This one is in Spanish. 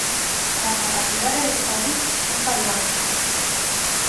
La capacidad del estadio es variable.